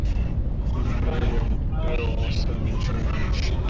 Kufunga reli ya mwendo wa wastan iliyojengwa na China